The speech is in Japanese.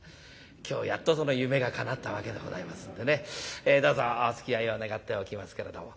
今日やっとその夢がかなったわけでございますんでねどうぞおつきあいを願っておきますけれども。